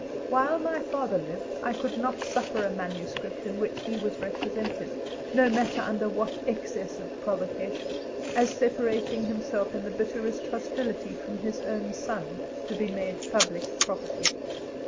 While my father lived, I could not suffer a manuscript in which he was represented (no matter under what excess of provocation) as separating himself in the bitterest hostility from his own son, to be made public property.